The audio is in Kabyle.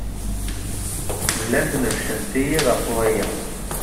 Llant nebbcent-iyi ɣef waya.